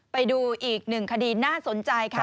ไปดูอีกหนึ่งคดีน่าสนใจค่ะ